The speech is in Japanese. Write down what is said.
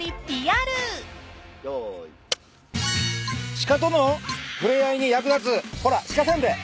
鹿との触れ合いに役立つほら鹿せんべい。